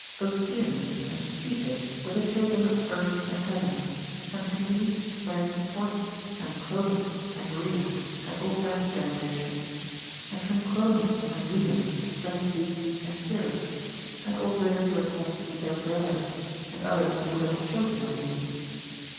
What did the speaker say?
Oceanus and Tethys were the children of Earth and Heaven, and from these sprang Phorcys and Cronos and Rhea, and all that generation; and from Cronos and Rhea sprang Zeus and Here, and all those who are said to be their brethren, and others who were the children of these.